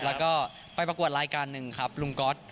แล้วก็ไปประกวดรายการหนึ่งครับลุงก๊อต